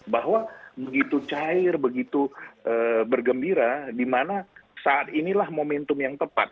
bahwa begitu cair begitu bergembira di mana saat inilah momentum yang tepat